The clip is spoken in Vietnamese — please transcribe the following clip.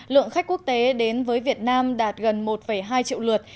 lượng khách quốc tế đến với việt nam đạt gần một hai triệu lượt